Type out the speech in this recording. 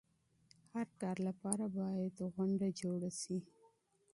هر کار لپاره باید پروګرام جوړ شي.